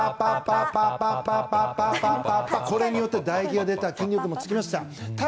これによって、だ液が出た筋肉もつきました。